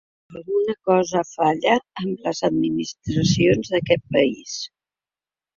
Alguna cosa falla en les administracions d’aquest país.